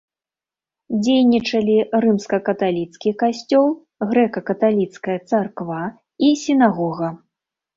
Дзейнічалі рымска-каталіцкі касцёл, грэка-каталіцкая царква і сінагога.